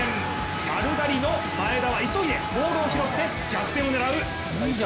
丸刈りの前田は急いでボールを拾って逆転を狙う！